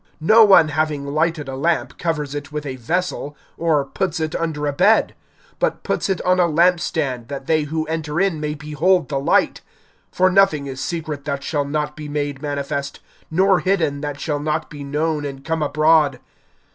(16)No one, having lighted a lamp, covers it with a vessel, or puts it under a bed; but puts it on a lamp stand, that they who enter in may behold the light. (17)For nothing is secret that shall not be made manifest, nor hidden, that shall not be known and come abroad.